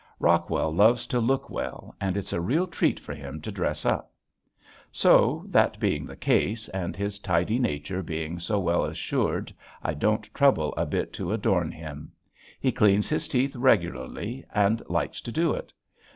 Rockwell loves to look well and it's a real treat for him to dress up. So, that being the case and his tidy nature being so well assured I don't trouble a bit to adorn him. He cleans his teeth regularly and likes to do it.